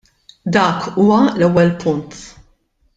Dak huwa l-ewwel punt.